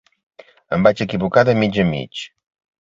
Em vaig equivocar de mig a mig.